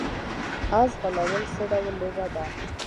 اس ځغلول څه ډول لوبه ده؟